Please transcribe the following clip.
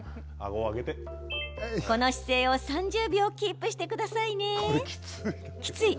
この姿勢を３０秒キープしてくださいね。